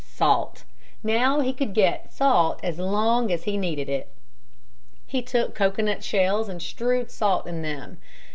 Salt. Now he could get salt as long as he needed it. He took cocoanut shells and strewed salt in them.